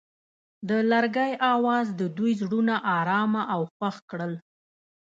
د لرګی اواز د دوی زړونه ارامه او خوښ کړل.